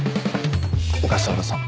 小笠原さん